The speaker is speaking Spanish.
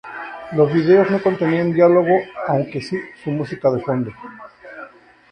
Los vídeos no contenían diálogo, aunque sí música de fondo.